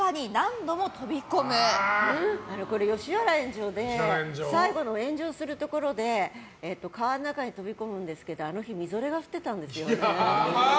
これ、「吉原炎上」で最後の炎上するところで川の中に飛び込むんですけどあの日みぞれが降ってたんですよね。